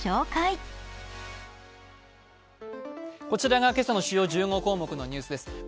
こちらが今朝の主要１５項目のニュースです。